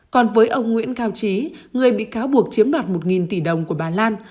còn với ông nguyễn cao trí người bị cáo buộc chiếm đoạt một tỷ đồng của bà lan